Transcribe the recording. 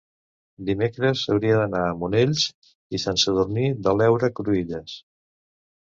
dimecres hauria d'anar a Monells i Sant Sadurní de l'Heura Cruïlles.